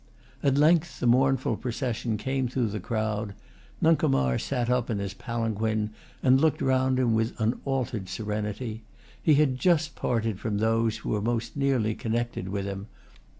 At length the mournful procession came through the crowd. Nuncomar sat up in his palanquin, and looked round him with unaltered serenity. He had just parted from those who were most nearly connected with him.